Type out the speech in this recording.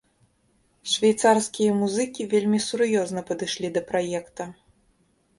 Швейцарскія музыкі вельмі сур'ёзна падышлі да праекта.